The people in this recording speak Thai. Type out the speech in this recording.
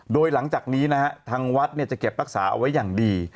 โดยหลังจากนี้นะฮะทางวัดจะเก็บรักษาเอาไว้อย่างดี